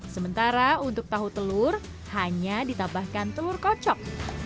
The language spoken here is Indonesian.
sementara untuk tahu telur hanya ditambahkan telur kocok